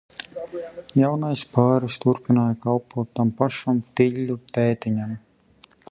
Jaunais pāris turpināja kalpot tam pašam Tiļļu tētiņam.